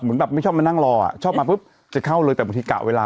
แบบไม่ชอบมานั่งรออ่ะชอบมาปุ๊บจะเข้าเลยแต่บางทีกะเวลา